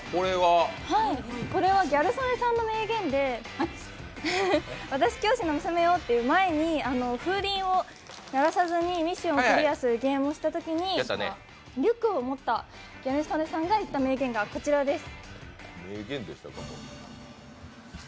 これはギャル曽根さんの名言で、「私、教師の娘よ！」と、前に風鈴を鳴らさずにミッションをクリアするゲームをやったときにリュックを持ったギャル曽根さんが言った名言がこちらです。